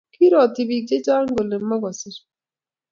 kiiroti biik che chang kole mokusir